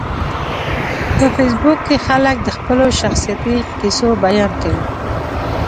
په فېسبوک کې خلک د خپلو شخصیتي کیسو بیان کوي